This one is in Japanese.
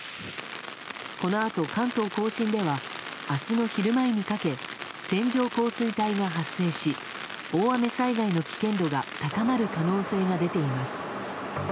このあと、関東・甲信では明日の昼前にかけ線状降水帯が発生し大雨災害の危険度が高まる可能性が出ています。